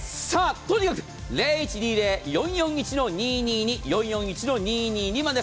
とにかく０１２０‐４４１‐２２２４４１‐２２２番です。